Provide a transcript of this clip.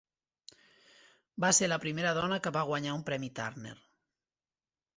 Va ser la primera dona que va guanyar un premi Turner.